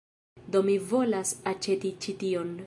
Do mi volas aĉeti ĉi tion